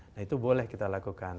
nah itu boleh kita lakukan